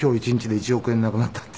「１億円なくなった」って？